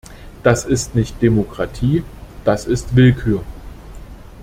Das ist nicht Demokratie, das ist Willkür!